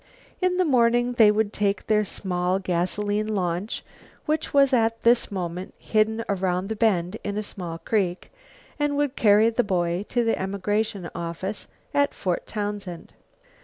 In the morning they would take their small gasoline launch, which was at this moment hidden around the bend in a small creek, and would carry the boy to the emigration office at Fort Townsend.